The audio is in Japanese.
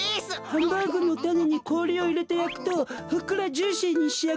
ハンバーグのタネにこおりをいれてやくとふっくらジューシーにしあがります。